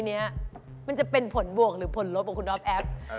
เนี้ยมันจะเป็นผลบวกหรือผลลดพวกคุณอ้อแอฟ